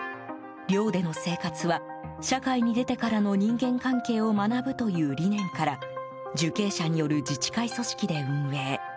寮での生活は、社会に出てからの人間関係を学ぶという理念から受刑者による自治会組織で運営。